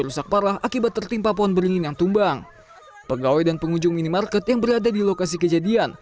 langkah langkah yang diambil adalah menutup tempat kejadian